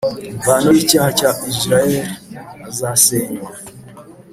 imvano y’icyaha cya Israheli, azasenywa ;